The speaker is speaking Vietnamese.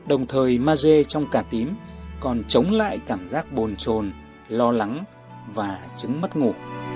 đồng thời mage trong cà tím còn chống lại cảm giác bồn trồn lo lắng và chứng mất ngủ